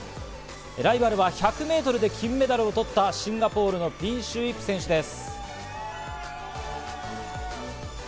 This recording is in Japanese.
ライバルは１００ｍで金メダルを取ったシンガポールのピン・シュー・イップ選手です。